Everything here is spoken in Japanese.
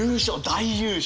大優勝。